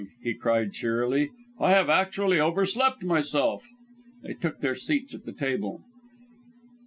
he cried, cheerily. "I have actually overslept myself." They took their seats at the table.